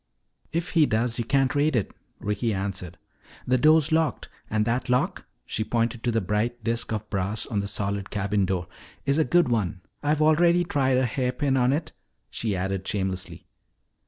"If he does, you can't raid it," Ricky answered. "The door's locked, and that lock," she pointed to the bright disk of brass on the solid cabin door, "is a good one. I've already tried a hairpin on it," she added shamelessly.